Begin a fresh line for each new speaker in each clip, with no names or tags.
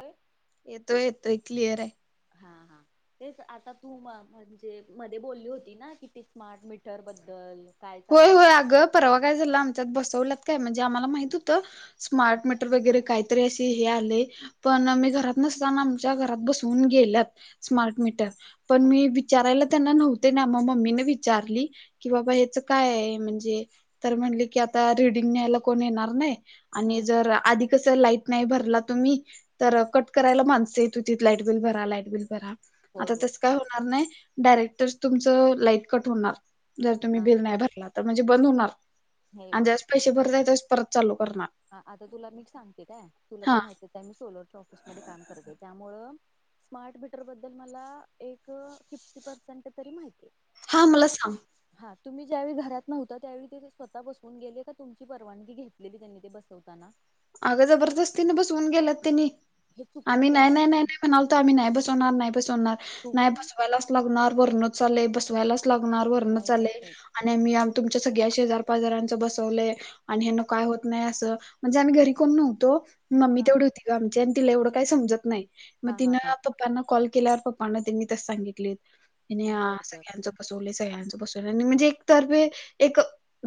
हो
येतोय येतोय क्लिअर आहे.
हां हा तेच आता तू म म्हणजे मध्ये बोलली होती ना किती स्मार्ट मीटर बद्दल काय चालू
होय होय
आहे
अगं परवा काय झाला आमच्यात बसवलात काय म्हणजे आम्हाला माहित होतं. स्मार्ट मीटर वगैरे काय? त असे हे आले पण मी घरात नसताना आमच्या घरात बसवून गेल्यात. स्मार्ट मीटर पण मी विचारायला त्यांना नव्हते ना म मम्मीने विचारली की बाबा ह्याचं काय आहे म्हणजे तर म्हणले की आता रीडिंग न्यायला कोण येणार नाही. आणि
हम्म
जर आधी कसं लाईट नाही भरला तुम्ही तर कट करायला माणसे तू तिथ लाईट बिल भरा लाईट बिल भरा
होय
आता
होय
तस काय होणार नाही. डायरेक्टर तुमचं लाईट कट होणार जर तुम्ही
हा
बिल नाही भरला तर म्हणजे बंद होणार.
हे
आणि जस पैसे भरत आहे त्यास परत चालू करणार.
हा आता तुला मी सांगते काय तुला
हा
तर माहिती आहे आहे मी सोलरच्या ऑफिसमध्येध्ये काम करते त्यामुळं स्मार्ट मीटर बद्दल मला एक फिफ्टी पर्सेंट तरी माहिती आहे.
हा मला
खप
सांग
हा तुम्ही ज्यावेळी घरात नव्हता त्यावेळी ते स्वतः बसवून गेले का तुमची परवानगी घेतलेली त्यांनी बसवताना
अगं जबरदस्तीने बसवून गेलात तिनी
हे
आम्ही
चुकीचं
नाही
आहे
नाही नाही नाही..... म्हणाल तर आम्ही नाही बसवणार नाही बसवणार
तुम्ही
नाही बसवायलाच लागणार वरणोच चाले बसवायलाच. लागणार
नाही
वरनच
नाही
आलय.
नाही
आणि आम्ही तुमच्या सगळ्या शेजार पाजारांच बसवलेय आणि हना काय होत नाही असं म्हणजे आम्ही घरी कोण नव्हतो मम्मी
हा
तेवढी होती ग आमची आणि तिला एवढं काय समजत नाही मग
हा
ती
हा
न
हा
प पप्पांना कॉल केल्यावर पप्पांना त्यांनी तच सांगितले तिने
बर बर
सगळ्यांचं बसवले सगळ्यांच बसवले आणि म्हणजे एक तर्फे एक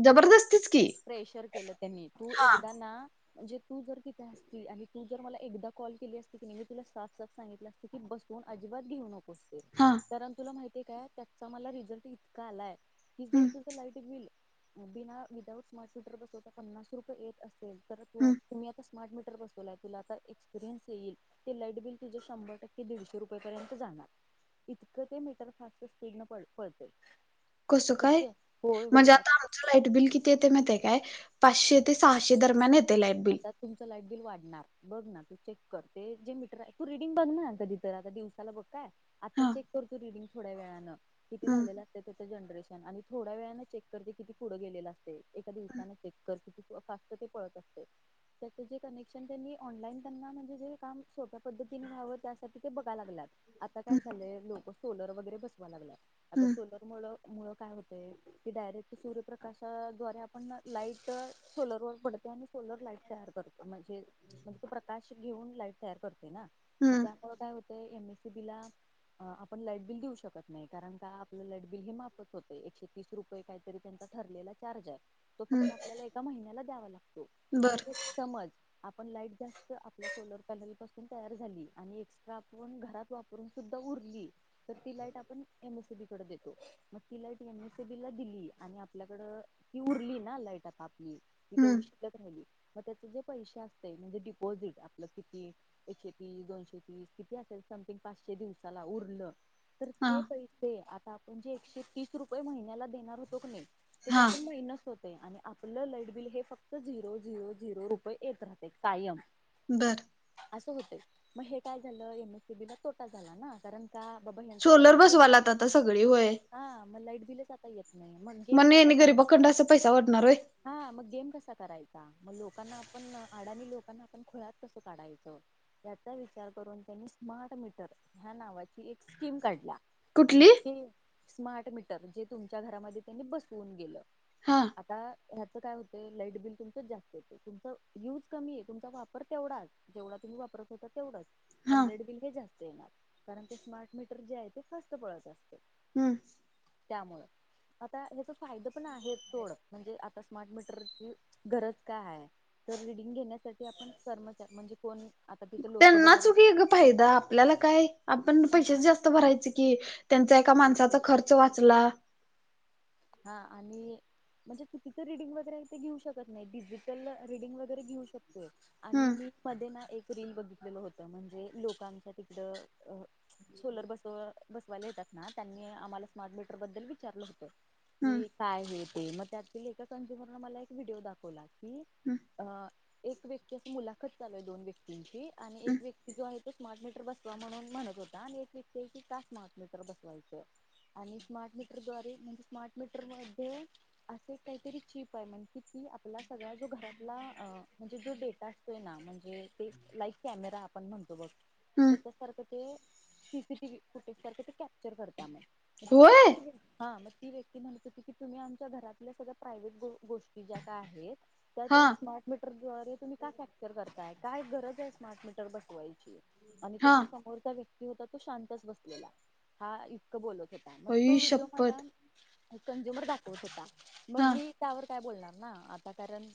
जबरदस्तीच की.
प्रेशर केलं त्यांनी तू
हा
एकदा ना म्हणजे तू जर तिथ असती आणि तू जर मला एकदा कॉल केली असती की नाय तुला साफ साफ सांगितलं ती बसवून अजिबात घेऊ नकोस ते.
हा.
कारण तुला माहितीय काय त्याचा मला रिझल्ट इतका आलाय की जर
हम्म
तुझं लाईट बिल बिना विदाऊट स्मार्ट मीटर बसवता पन्नास रुय येत असेल तर तू -
हम्म
तुम्ही आता स्मार्ट मीटर बसवलाय तुला आता एक्सपिरियन्स येईल. ते लाईट बिल तुजे शंभर टक्के दीडशे रुपयेपर्यंत जाणार. इतकं ते मीटर फास्ट स्पीड न पळ- पळतंय
कसं काय
ओक्के. होय
म्हणजे
होय
आता आमचं लाईट बिल किती येतंय माहितीय काय पाचशे ते सहाशे दरम्यान येते लाईट बिल.
आता तुमचं लाईट बिल वाढणार. बघ ना तू चेक करते जे मीटर आहे तू रिडिंग बघ ना कधी तर आता दिवसाला बघ काय. आता
हा
चेक कर तू रिडिंग थोड्या वेळानं किती
हम्म
झालेलं आ जनरेशन आणि थोड्या वेळान चेक करते किती पुढं गेलेलं असतय एका दिवसान
हम्म
चेक तर किती फास्ट ते पळत असतंय. त्यात तेजे कनेक्शन त्यांनी ऑनलाईन त्यांना म्हणजे जे काम सोप्या पद्धतीने व्हावं त्यासाठी ते बघा लागल्यात. आता काय झालंय लोक सोलर वगैरे बसवाय लागल्यात आता
हम्म
सोलर मुल-मुळ काय होतय कि डायरेक्ट सूर्यप्रकाशद्वारे आपण लाईट सोलर वर पडते आणि सोलर लाईट तयार करत म्हणजे म्हणजे तो प्रकाश घेऊन लाईट तयार करतय ना
हम्म
त्यामुळ काय होतंय एम एस सी बी ला आपण लाईट बिल देऊ शकत नाय कारण का आपलं लाईट बिल हे माफच होतय एकशे तीस रुपये काय त्यांचा ठरलेला चार्ज आहे तो
हम्म
फक्त आपल्याला एका महिन्याला द्यावा लागतो. आणि
बर
समज आपण लाईट जास्त आपल्या सोलर पॅनल पासून तयार झाली आणि एक्स्ट्रा आपण घरात वाप रून सुद्धा उरली तर ती लाईट आपण एम एस सी बी कडे देतो मग ती लाईट एम एस सी बीला दिली आणि आपल्याकडं ती उरली ना लाईटात आपली ती
हम्म
तेवढी शिल्लक राहिली म त्याच जे पैशे असतंय म्हणजे डिपॉझिट आपलं किती एकशे तीस दोनशे तीस किती असेल समथिंग पाचशे दिवसाला उरलं तर
हा
ते पैसे आता आपण जे एकशे तीस रुपये महिन्याला देणार होतो क नाई ते
हा
त्यातून मायनस होतंय आणि आपलं लाईट बिल हे फक्त झिरो झरो झिरो रुपय येत राहतंय कायम.
बरं.
असं होतय मग हे काय झालं एम एस सी बी ला तोटा झाला ना कारण का बाबा यांच आता
सोलर
लाईट,
बसवायलात आता सगळी होय
हा मग लाईट बिलच आता येत नाय. मग गेम कसा
हेनी
करायचा
गरीबाकडनं असं पैसा वाटणार होय
हा मग गेम कसा करायचा म लोक लोकांना आपण आडाणी लोकांना आपण खुळ्यात कसं काढायचं. त्याचा विचार करून त्यांनी स्मार्ट मीटर ह्या नावाची एक स्कीम काढलीया. आणि
कुठली
ते स्मार्ट मीटर जे तुमच्या घरामध्ये त्यांनी बसवून गेलं.
हा.
आता ह्याच काय होतय लाईट बिल तुमचं जास्त तुमच यूज कमीय तुमचा वापर तेवढाच जेवढा तुम्ही वापरत होता तेवढाच.
हा
पण लाईट बिल काय जास्त येणार कारण ते स्मार्ट मीटर जे आहे ते फास्ट पळत असत.
हम्म.
त्यामुळे आता ह्याचा फायद पण आहे थोडं म्हणजे आता स्मार्ट मीटरची गरज कायय तर रिडिंग घेण्यासाठी आपण कर्मचारी म्हणजे कोण आता तिथे लोक
त्यांना
वगैरे
चुकी फायदा आपल्याला काय आपण पैशाच जास्त भरायचे की त्यां एका माणसाचा खर्च वाचला.
हा आणि म्हणजे चुकीचं रिडिंग वगैरे घेऊ शकत नाही डिजिटल रिडिंग वगैरे घेऊ शकतोय. आणि
हम्म
मी एखादी ना एक रील बघितलेल होतं म्हणजे लोकांच्या तिकडं सोलर बस बसवाला येतात ना त्यांनी आम्हाला स्मार्ट मीटर बद्दल विचारलं होतं.
हम्म
कि काय हे ते मग त्यातील एका कंज्युमरने मला एक व्हिडिओ दाखवला की
हम्म
अ एक व्यक्ती मुलाखत चालू आहे दोन व्यक्तींची आणि
हम्म
एक व्यक्ती जो आहे. तो स्मार्ट मीटर बसवा म्हणून म्हणत होता आणि एक व्यक्ती की का स्मार्ट मीटर बसवायचं. आणि स्मार्ट मीटर दुवारे म्हणजे स्मार्ट मीटर मध्ये असे काहीतरी चीप आहे म्हण कि की आपला सगळा जो घरातला म्हणजे जो डेटा असतो. ना म्हणजे ते लाईट कॅमेरा आपण म्हणतो बघ.
हम्म
त्याच्यासारखं ते सीसीटीव्ही फुटेज सारखं ते कॅप्चर करततय मग.
होय
हा मग ती व्यक्ती म्हणतं होती की तुम्ही आमच्या घरातल्या सगळ्या प्राव्हेट गोष्टी जातं आहेत त्या
हा
त्या स्म मीटर दुवारे हे तुम्ही काय फॅक्चर करताय काय गरज आहे स्मार्टमीीटर बसवायची. आणि तो
हा
जो समोरचा व्यक्ती होता तो शांतच बसलेला हा इतकं बोलत होता. मग तो
आई
व्हिडिओ मला
शपथ
कंझ्युमर दाखवत होता मग
हा
मी त्यावर काय बोलणार ना आता कारण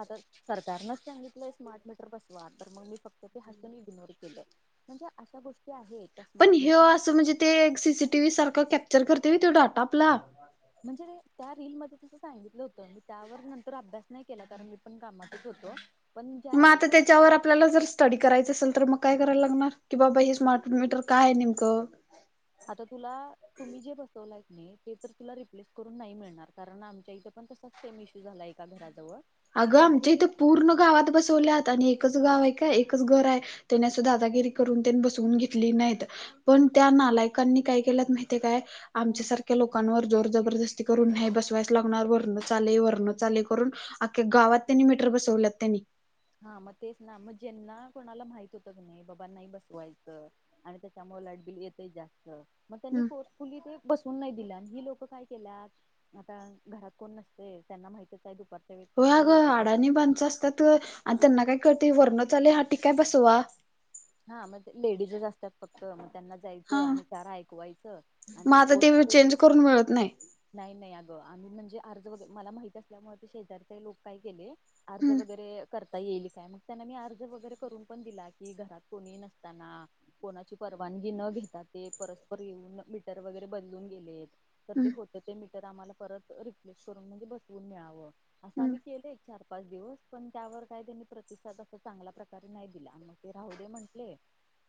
आता सरकारनच सांगितलंय स्मार्ट मीटर बसवा तर मग मी फक्त इग्नोर केल म्हणजे अशा गोष्टी आहेत त्या
पण
स्मार्ट
हे
मीटर
असं म्हणजे ते सीसीटीव्ही सारखं कॅप्चर करतय डाटा आपला.
म्हणजे त्या रीलमध्ये तसं सांगितलं होतं मी त्यावर नंतर अभ्यास नाही केला कारण मी पण कामातच होतो. पण
मग
ज्यावेळी
आता
तो
त्याच्यावर आपल्याला जर करायचं असेल तर मग काय करायला लागणार की बाबा हे स्मार्ट मीटर काय आहे नेमकं.
आता तुला तुम्ही जे बसवलाय नाही ते तर तुला रिप्लेस करून नाही मिळणार कारण आमच्या इथं पण तसा सेम इश्यू झाला एका घराजवळ की
अगं आमच्या इथे
त्यांनी
पूर्ण गावात बसवल्यात. आणि एकच गाव आहे का एकच घर आहे त्याने अस दादागिरी करून त्यांनी बसवून घेतली नाहीत. पण त्या नालायकांनी काय केल्यात माहिती काय आमच्यासारख लोकांवर जोर जबरदस्ती करून नाही बसवायच लागणार. वरण आलंय वरणच आलंय करून अखे गावात त्यांनी मीटर बसवल्यात त्यांनी
हा मग तेच ना मग ज्यांना कोणाला माहित होतं कणी नाही बाबा नाही बसवायचं. आणि त्याच्यामुळे लाईटबिल येते जास्त मग त्यांनी फोर्स कि ते बसवून नाही दिल्यान ही लोकं काय केल्यात आता घरात कोण नसतय त्याना माहितच आहे दुपार
हो अगं आडानी माणसं असतात गं आणि त्यांना काय कळतय वरणच आलंय हा ठीक आहे बसवा.
हा मग लेडीजच असतात फक्त त्यांना जायच
हा
आणि च ऐकवायचं
मग
आणि त
आता ते
पो
चेंज करून मिळत नाही
नाही नाही अगं आम्ही म्हणजे अर्ज वगैरे मला माहित असल्यामुळे ते शेजारीचे लोक काय गेले. अर्ज
हम्म
वगैरे करता येईल काय मग त्यांना मी अर्ज वगैरे करून पण दिला की घरात. कोणी नसताना. कोणाची परवानगी न घेता, ते परस्पर येऊन मीटर वगैरे बदलून गेलेत. तर ते
हम्म
होतं ते मीटर आम्हाला परत रिप्लेस करून म्हणजे बसवून मिळावं, असं
हम्म
आम्ही केलं चार पाच दिवस पण, त्यावर काय त्यांनी प्रतिसाद अस चांगल्या प्रकारे नाही दिला, म ते राह ते म्हंटले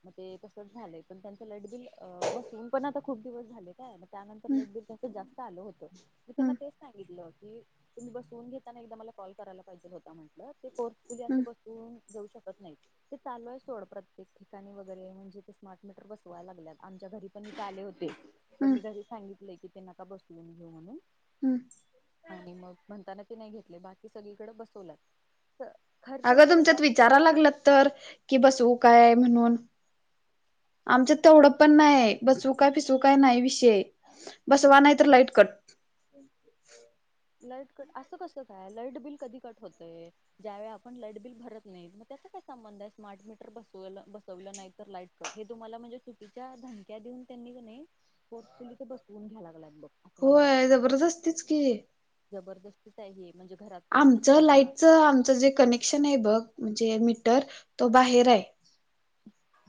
मग ते तसंच झालंय, पण त्यांच लटबिल बसवून पण आता खूप दिवस झाले, काय मग त्यानंतर
हम्म
लयट बिल ते जास्त आल होत, मी
हम्म
त्यांना तेच सांगितलं की तुम्ही बसवून घेताना एकदा मला कॉल करायला पाहिजे होता म्हटलं, ते फोर्सफुली असं
हम्म
बसवून जाऊ शकत नाहीत. ते चालू सोड, प्रत्येक ठिकाणी वगैरे म्हणजे, ते स्मार्ट मीटर बसवाय लागल्यात, आमच्या घरी पण ते आले होते. पण
हम्म
मी घरी सांगितलंय की, त्यांन आता बसवून घेऊ म्हणून
हम्म.
आणि मग, म्हणताना ते नाही घेतले, बाकी सगळीकडे बसवल्यात, तर
अगं तुमच्यात विचाराला लागल्यात तर, कि बसवू काय म्हणून आमच्यात तेवढं पण नाही, बसवू काय फिसवू काय नाही विषय. बसवा, नाही तर लाईट कट.
लाईट कट, असं कसं काय? लाईट बिल कधी कट होतंय? ज्या वेळी आपण लाईट बिल भरत नाही, मग त्याचा काय संबंध आहे, स्मार्ट मीटर बसव बसवलं नाही तर लाईट हे तुम्हाला म्हणजे चुकीच्या धमक्या देऊन क नई, त्यांनी फोर्सफुली ते बसवून घ्याय लागलेत बघ. असं मला
होय,
वाटतं
जबरदस्तीच की
जबरदस्तीच आहे हे, म्हणजे घरात कोणी
आमचं
नसताना
लाईटचं, आमच जे कनेक्शन आहे बघ, म्हणजे मीटर, तो बाहेर आहे.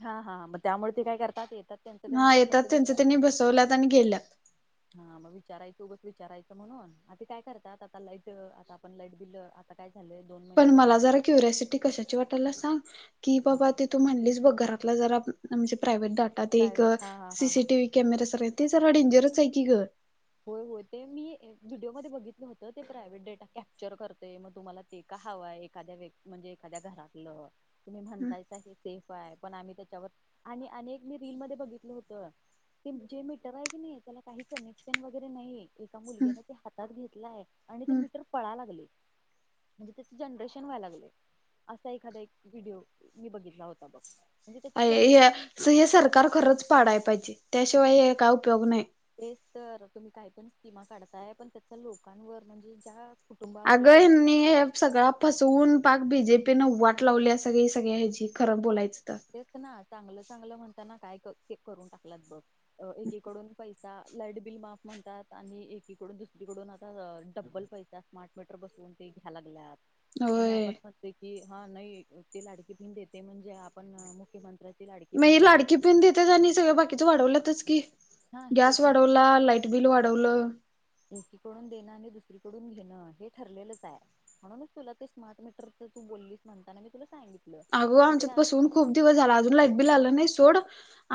हा हा, मग त्यामुळे ते काय करतात, येतात त्यांच त्यांच
हा, येतात
फक्त
त्यांच
विचार
त्यांनी, बसवल्यात आणि गेल्यात.
हा, मग विचारायचं उगं विचारायचं म्हणून, आणि ते काय करतात, आता लाईट आता आपण लाईट बिल काय झालंय दो
पण मला जरा क्युरिसिटी कशी काय वाटल्या सांग, की
हा
बाबा ते तू म्हटलीस बघ, घरातल्या जरा म्हणजे प्रायव्हेट डाटा आता एक
प्रायव्हेट हा हा हा हा
सीसीटीव्ही कॅमेरा सारख, ते जरा डेंजरच आहे की ग.
होय होय, ते मी व्हिडिओमध्ये बघितलं होतं, ते प्रायव्हेट डेटा कॅप्चर करतय, मग तुम्हाला ते का हवय, एखाद्या व्यक् म्हणजे एखाद्या घरातलं, तुम्ही
हम्म
म्हणतायसा हे सेफ काय पण, आम्ही त्याच्यावर, आणि अनेक, मी रीलमध्येध्ये बघितलं होत. ते जे मीटर आहे की नाही, त्याला काही कनेक्श वगैरे नाही, एका
हम्म
मुलग्यान ते हातात घेतलाय, आणि ते
हम्म.
मीटर पळाय लागलय. म्हणजे त्याचे जनरेशन व्हाय लागलय. असा एखादा एक व्हिडिओ, मी बघितला होता बघ. म्हणजे
अ
त्याचं
हे
जनरेशन
हे सरकार खरंच पाडाय पाहिजे, त्याशिवाय हे काय उपयोग नाही.
तेच तर, तुम्ही काय पण स्कीमा काढताय, पण त्याचा लोकांवर, म्हणजे ज्या कुटुंबावर
आगं
ते
हेनी सगळा फसवून, पाक बीजेपीन वाट लावल्या हेजी, सगळी सगळ्या ह्याची खरं बोलायचं तर.
तेच ना, चांगलं चांगलं म्हणताना काय करून टाकल्यात बघ, एकीकडून पैस आता लाईट बिल माफ म्हणतात, आणि एकीकडून दुसरीकडून आता डब्बल पैसा स्मार्ट मीटर बसवून ते घ्या लागल्यात, आणि
होय
आपण पण की हा नाही, ते लाडकी बहीण देतय, म्हणजे आपण मुख्यमं
मग लाडकी बहिण देत्यात, आणि सगळं बाकीच वाढवल्यातच की,
हा हे
गॅस
एक
वाढवला, ला बिल वाढवलं.
एकीकडून देणं, आणि दुसरीकडून घेणं, हे ठरलेलंच आहे. म्हणूनच तुला ते स्मार्ट मीटरच तू बोललीस म्हणताना, मी तुला सांगि
अगो आमच्यात बसवून खूप दिवस झाला, अजून लाईट बिल आलं नाही सोड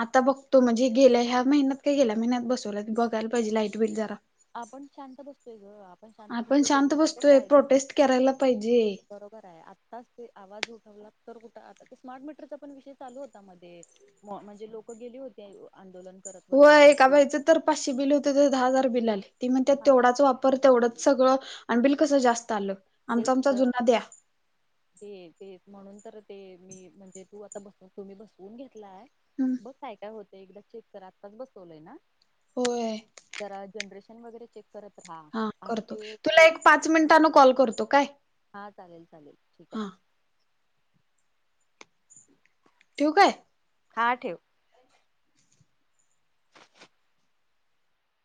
आता बघतो म्हणजे गेल्या ह्या महिन्यात काय गेल्या महिन्यात बसवल्यात, बघायला पाहिजे लाईट बिल जरा.
आपण शांत बसतोय ग, आपण शांत बसतोय
शांत
त्याचा लोक
बसतोय
फायदा
प्रोटेस्ट करायला पाहिजे
बरोबर आहे आत्ताच ते आवाज उठवला तर कुठं, आता ते स्मार्ट मीटरचा पण विषय चालू होता मध्ये. मं म्हणजे लोक गेली होते आंदोलन करत वगैरे
होय
आणि
एका
ते
बाईचं तर पाचशे बिल होते, तर दहा हजार बिल आल, ती म्हणते
हा मग
तेवढाच वाप पर तेवढंच सगळं, आण बिल कसं जास्त आलं?
तेच
आमचा आमचा
त.
जुना द्या
ते तेच म्हणून तर ते मी म्हणजे तू आता बसु तुम्ही बसवून घेतलाय.
हूं!
बघ काय, काय होत एकदा चेक करा आत्ताच बसवयल ना
होय
जरा जनरेशन वगैरे चेक करत राहा
हा
आणि
करतो
ते.
तुला एक पाच मिनिटान कॉल करतो काय?
हा चालेल चालेल ठीक आहे.
हा
[inaudible]
ठिऊ काय?
हा ठेव.